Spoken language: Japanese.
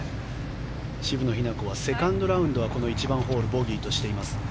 渋野日向子はセカンドラウンドはこの１番ホールボギーとしています。